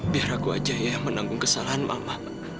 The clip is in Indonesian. biar aku aja ya menanggung kesalahan mama